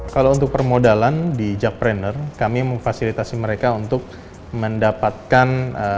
kalau untuk permodalan di jakpreneur kami memfasilitasi mereka untuk mendapatkan